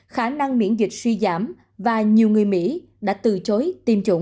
khả năng miễn dịch suy giảm và nhiều người mỹ đã từ chối tiêm chủng